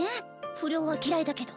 不良は嫌いだけど。